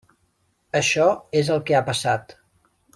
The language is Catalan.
Això és el que ha passat.